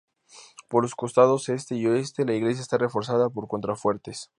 Por los costados este y oeste, la iglesia está reforzada por contrafuertes.